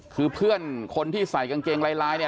คือเพื่อนคนที่ใส่กางเกงลายเนี่ย